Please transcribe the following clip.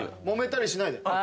もめたりしないで。